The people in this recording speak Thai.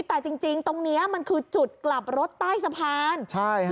แต่จริงตรงนี้มันคือจุดกลับรถใต้สะพานใช่ฮะ